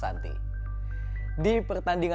dan berubah menjadi empat